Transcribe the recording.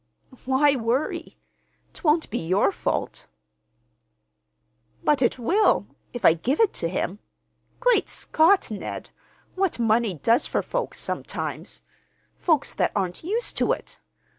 "Why worry? 'Twon't be your fault." "But it will—if I give it to him. Great Scott, Ned! what money does for folks, sometimes—folks that aren't used to it!